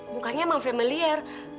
mukanya emang familiar